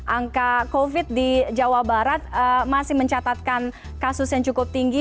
angka covid di jawa barat masih mencatatkan kasus yang cukup tinggi